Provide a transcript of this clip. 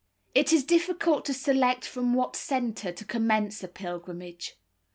It is difficult to select from what centre to commence a pilgrimage.